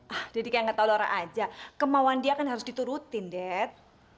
ah jadi kayak gak tau lora aja kemauan dia kan harus diturutin dad